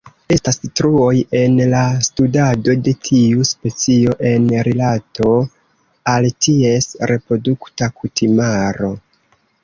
Estas truoj en la studado de tiu specio en rilato al ties reprodukta kutimaro.